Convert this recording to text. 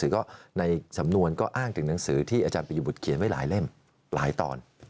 ก็ในสำนวนก็อ้างถึงหนังสือที่อาจารย์ประยุบุตรเขียนไว้หลายเล่มหลายตอน